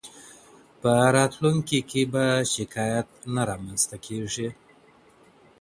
په راتلونکي کي به شکایت نه رامنځته کیږي.